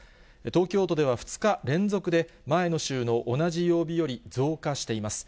東京都では２日連続で前の週の同じ曜日より増加しています。